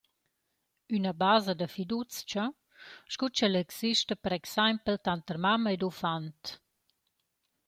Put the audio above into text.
Üna basa da fiduzcha sco ch’ella exista per exaimpel tanter mamma ed uffant.